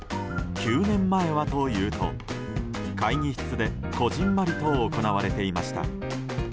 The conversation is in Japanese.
９年前はというと会議室で、小ぢんまりと行われていました。